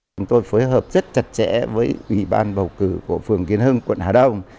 chúng tôi phối hợp rất chặt chẽ với ủy ban bầu cử của phường kiến hưng quận hà đông